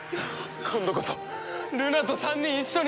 今度こそルナと３人一緒に！